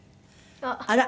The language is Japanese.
あら！